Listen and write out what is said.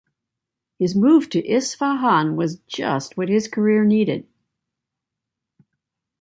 His move to Isfahan was just what his career needed.